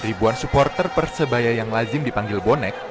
ribuan supporter persebaya yang lazim dipanggil bonek